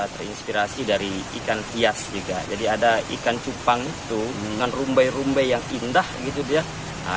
terinspirasi dari ikan hias juga jadi ada ikan cupang itu dengan rumbai rumbai yang indah gitu dia